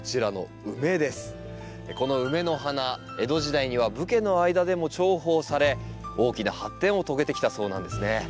このウメの花江戸時代には武家の間でも重宝され大きな発展を遂げてきたそうなんですね。